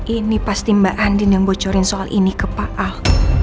ini pasti mbak andin yang bocorin soal ini ke pak ahok